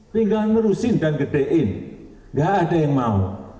tinggal menerusin dan gedein enggak ada yang mau